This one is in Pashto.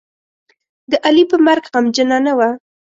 د علي په مرګ غمجنـه نه وه.